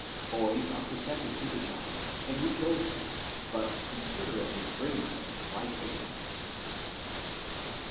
Boys are presented to the giant, and he kills them, but considerately brings them to life again.